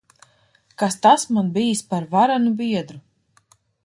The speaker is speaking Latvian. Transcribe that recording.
Kas tas man bijis par varenu biedru!